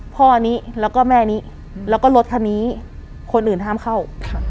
พ่อนี้แล้วก็แม่นี้แล้วก็รถคันนี้คนอื่นห้ามเข้า